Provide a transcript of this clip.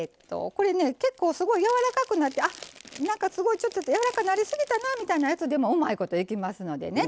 これね結構すごいやわらかくなって「なんかすごいちょっとやわらかなりすぎたな」みたいなやつでもうまいこといきますのでね。